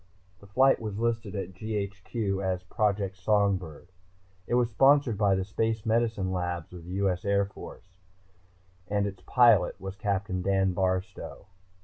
The flight was listed at GHQ as Project Songbird. It was sponsored by the Space Medicine Labs of the U.S. Air Force. And its pilot was Captain Dan Barstow.